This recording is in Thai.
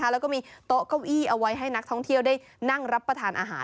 แล้วก็มีโต๊ะเก้าอี้เอาไว้ให้นักท่องเที่ยวได้นั่งรับประทานอาหาร